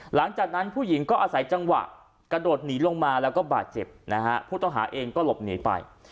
หลังจากนั้นผู้หญิงก็อาศัยจังหวะกระโดดหนีลงมาแล้วก็บาดเจ็บนะฮะผู้ต้องหาเองก็หลบหนีไป